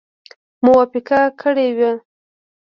موافقه کړې وه.